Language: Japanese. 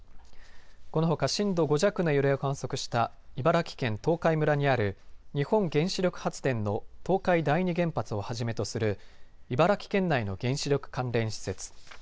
このほか震度５弱の揺れを観測した茨城県東海村にある日本原子力発電の東海第二原発をはじめとする茨城県内の原子力関連施設。